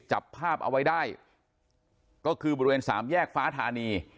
จับภาพเอาไว้ได้ก็คือบริเวณสามแยกฟ้าธานี